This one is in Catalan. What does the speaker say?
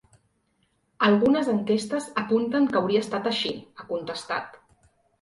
Algunes enquestes apunten que hauria estat així, ha contestat.